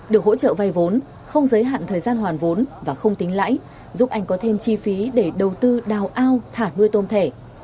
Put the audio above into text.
được hỗ trợ vay vốn không giới hạn thời gian hoàn vốn và không tính lãi giúp anh có thêm chi phí để đầu tư đào ao thả nuôi tôm thẻ